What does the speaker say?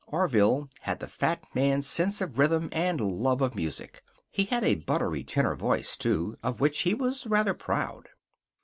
Orville had the fat man's sense of rhythm and love of music. He had a buttery tenor voice, too, of which he was rather proud.